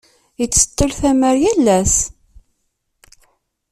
Yettseṭṭil tamar yal ass.